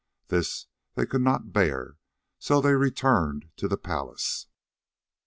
This they could not bear, so they returned to the palace.